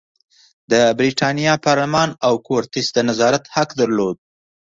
د برېتانیا پارلمان او کورتس د نظارت حق درلود.